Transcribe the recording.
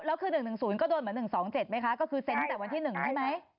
แล้วคือ๑๑๐ก็โดนเหมือน๑๒๗ไหมคะก็คือเซ็นตั้งแต่วันที่๑ใช่ไหม